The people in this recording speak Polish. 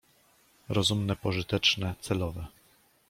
Rozumne, pożyteczne — celowe.